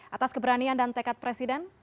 atas keberanian dan tekad presiden